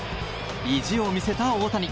意地を見せた大谷。